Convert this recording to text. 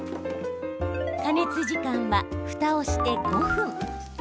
加熱時間は、ふたをして５分。